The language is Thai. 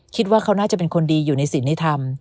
คิดว่าเขาน่าจะเป็นคนดีอยู่ในศีลที่ธรรม